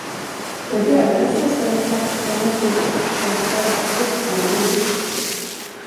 Jag dödades nästan i slagsmål mot din expojkväns ruttnande lik.